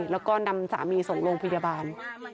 แล้วก็นำสามีส่งโรงพยาบาล